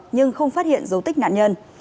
nhưng không phát hiện dấu tích nạn nhân